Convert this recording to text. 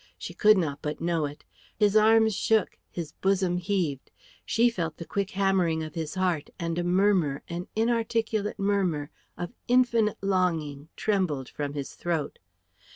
She could not but know it; his arms shook, his bosom heaved; she felt the quick hammering of his heart; and a murmur, an inarticulate murmur, of infinite longing trembled from his throat.